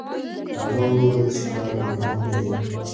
هغه وويل چي کار مهم دی.